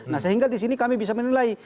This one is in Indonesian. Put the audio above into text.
nah sehingga di sini kami bisa menurut kami